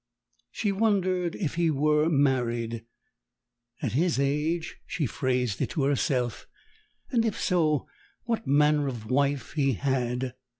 She wondered if he were married "at his age," she phrased it to herself and, if so, what manner of wife he had.